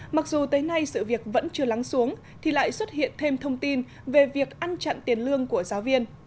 mặc dù tới nay sự việc vẫn chưa lắng xuống thì lại xuất hiện thêm thông tin về việc ăn chặn tiền lương của giáo viên